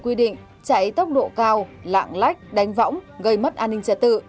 quy định chảy tốc độ cao lạng lách đánh võng gây mất an ninh trẻ tự